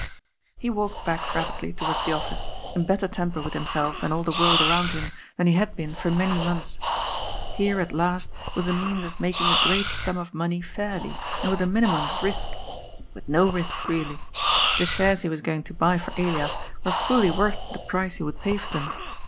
He walked back rapidly towards the Office, in better temper with himself and all the world around him than he had been for many months. Here, at last, was a means of making a great sum of money fairly, and with a minimum of risk — with no risk, really. The shares he was going to buy for Elias were fully worth the price he would pay for them.